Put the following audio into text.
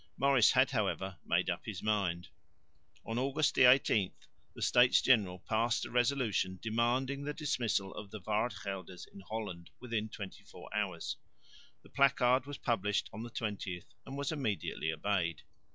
Maurice had, however, made up his mind. On August 18 the States General passed a resolution demanding the dismissal of the Waardgelders in Holland within twenty four hours. The placard was published on the 20th and was immediately obeyed.